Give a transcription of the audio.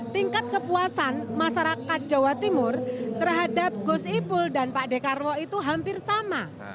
tingkat kepuasan masyarakat jawa timur terhadap gus ipul dan pak dekarwo itu hampir sama